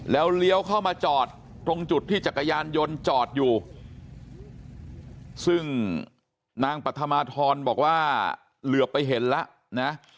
แล้วเลี้ยวเข้ามาจอดตรงจุดที่จักรยานยนต์จอดอยู่ซึ่งนางปัธมาธรบอกว่าเหลือไปเห็นแล้วนะ